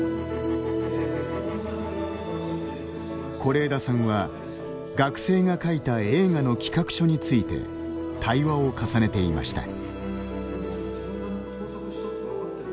是枝さんは、学生が書いた映画の企画書について対話を重ねていました。